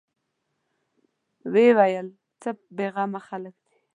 ويې ويل: څه بېغمه خلک دي.